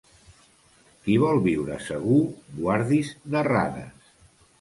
Qui vol viure segur, guardi's d'errades.